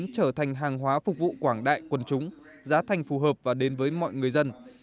trở thành hàng hóa phục vụ quảng đại quần chúng giá thành phù hợp và đến với mọi người dân